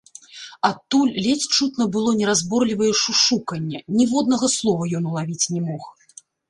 Адтуль ледзь чутна было неразборлівае шушуканне, ніводнага слова ён улавіць не мог.